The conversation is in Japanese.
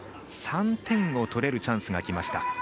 ３点取れるチャンスがきました。